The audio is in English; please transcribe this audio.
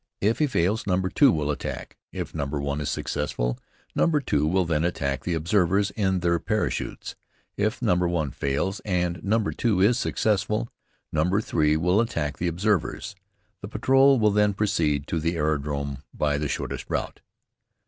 If he fails, number 2 will attack. If number 1 is successful, number 2 will then attack the observers in their parachutes. If number 1 fails, and number 2 is successful, number 3 will attack the observers. The patrol will then proceed to the aerodrome by the shortest route.